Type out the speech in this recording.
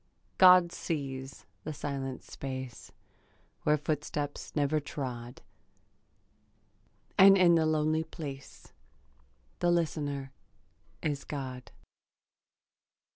God sees the silent space Where footstep never trod; And in the lonely place The listener is God.